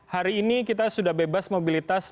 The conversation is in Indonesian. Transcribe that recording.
hari ini kita sudah bebas mobilitas